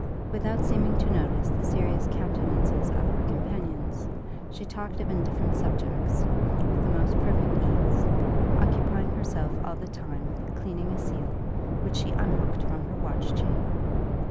Without seeming to notice the serious countenances of her companions, she talked of indifferent subjects with the most perfect ease, occupying herself all the time with cleaning a seal, which she unhooked from her watch chain.